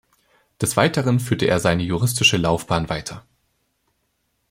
Des Weiteren führte er seine juristische Laufbahn weiter.